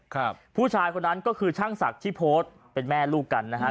ครับผู้ชายคนนั้นก็คือช่างศักดิ์ที่โพสต์เป็นแม่ลูกกันนะฮะ